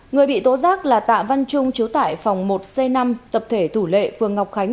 người bị tố giác là tạ văn trung chú tại phòng một c năm tập thể thủ lệ phường ngọc khánh